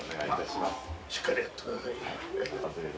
しっかりやって下さい。